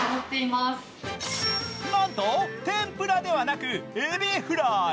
なんと、天ぷらではなくえびフライ。